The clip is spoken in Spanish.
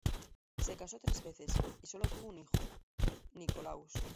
Se casó tres veces y solo tuvo un hijo, Nikolaus.